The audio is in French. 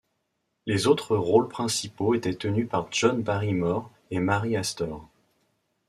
Les autres rôles principaux étaient tenus par John Barrymore et Mary Astor.